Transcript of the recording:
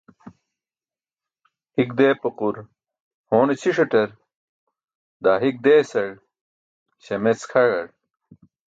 Hik deepaqur hoone ćʰiṣtar, daa hik deesaẏ śamec kʰayar.